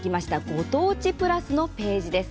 ご当地プラスのページです。